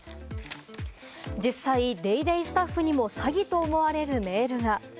実際、『ＤａｙＤａｙ．』スタッフにも詐欺と思われるメールが。